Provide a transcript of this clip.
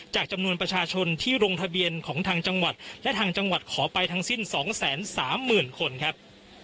จำนวนประชาชนที่ลงทะเบียนของทางจังหวัดและทางจังหวัดขอไปทั้งสิ้น๒๓๐๐๐คนครับ